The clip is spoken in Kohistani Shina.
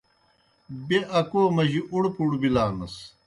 بیْہ اکو مجی اُڑ پُڑ بِلانَس۔